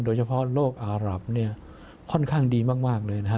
โดยเฉพาะโลกอารับเนี่ยค่อนข้างดีมากเลยนะฮะ